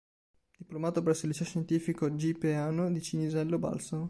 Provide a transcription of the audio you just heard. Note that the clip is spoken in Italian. Diplomato presso il liceo scientifico G. Peano di Cinisello Balsamo.